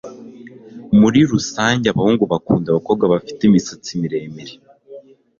Muri rusange abahungu bakunda abakobwa bafite imisatsi miremire